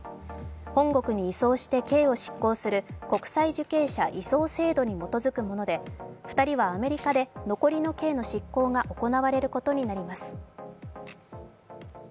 本国に移送して刑を執行する国際受刑者移送制度に基づくもので２人は米国で残りの刑の執行が行われることになります。